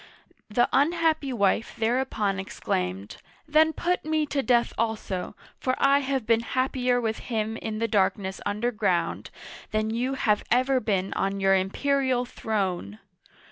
The unhappy wife thereupon exclaimed, Then put me to death also, for I have been happier with him in the darkness underground than you have ever been on your imperial throne